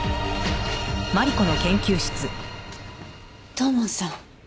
土門さん。